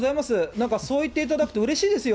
なんかそう言っていただくと嬉しいですよ。